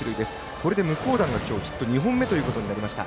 これで向段がヒット２本目となりました。